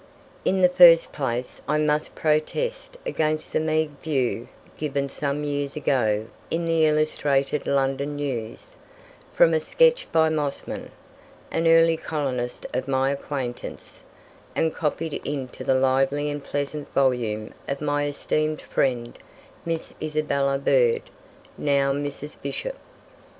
In the first place I must protest against the meagre view given some years ago in the "Illustrated London News", from a sketch by Mossman, an early colonist of my acquaintance, and copied into the lively and pleasant volume of my esteemed friend, Miss Isabella Bird (now Mrs. Bishop).